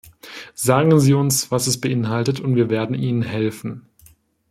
Sagen Sie uns, was es beinhaltet und wir werden Ihnen helfen.